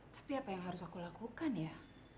tapi apa yang harus aku lakukan ya